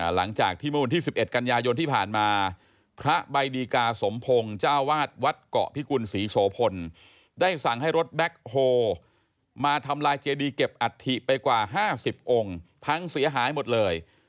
หลังจากที่เมื่อวันที่๑๑กันยายนที่ผ่านมาพระใบดีกาสมพงศ์เจ้าวาดวัดเกาะพิกุลศรีโสพลได้สั่งให้รถแบ็คโฮมาทำลายเจดีเก็บอัฐิไปกว่า๕๐องค์พังเสียหายหมดเลย